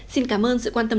xin cảm ơn sự quan tâm